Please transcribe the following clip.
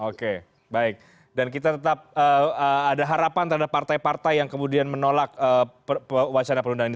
oke baik dan kita tetap ada harapan terhadap partai partai yang kemudian menolak wacana penundaan ini